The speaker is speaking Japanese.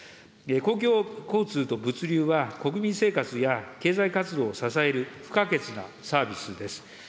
公共交通と物流は、国民生活や経済活動を支える不可欠なサービスです。